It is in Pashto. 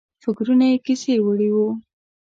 فکرونه یې کیسې وړي وو.